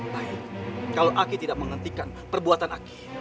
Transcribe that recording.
baik kalau aki tidak menghentikan perbuatan aki